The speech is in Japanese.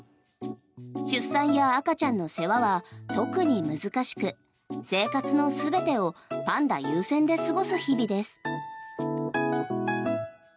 出産や赤ちゃんの世話は特に難しく生活の全てをパンダ優先で過ごす日々です。